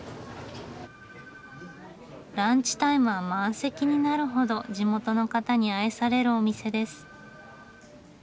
ランチタイムは満席になるほど地元の方に愛されるお店です。